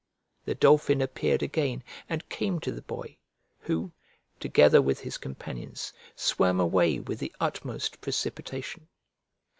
The dolphin appeared again and came to the boy, who, together with his companions, swam away with the utmost precipitation.